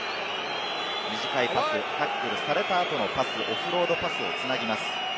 短いパス、タックルされた後のパス、オフロードパスを繋ぎます。